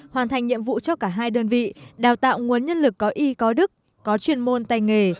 hoàn thành nhiệm vụ cho cả hai đơn vị đào tạo nguồn nhân lực có y có đức có chuyên môn tay nghề